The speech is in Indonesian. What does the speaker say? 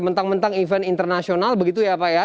mentang mentang event internasional begitu ya pak ya